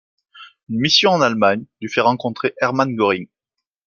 Une mission en Allemagne lui fait rencontrer Hermann Göring.